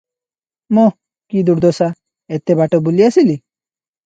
ମ-କି ଦୁର୍ଦ୍ଦଶା! ଏତେ ବାଟ ବୁଲି ଆସିଲି?